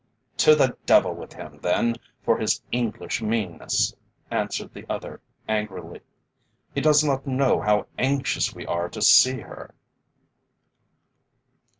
"To the devil with him, then, for his English meanness," answered the other angrily. "He does not know how anxious we are to see her."